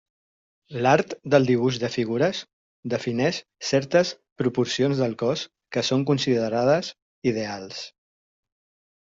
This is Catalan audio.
L'art del dibuix de figures defineix certes proporcions del cos que són considerades ideals.